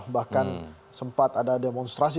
bahkan sempat ada demonstrasi